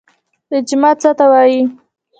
اجماع څه ته وایي؟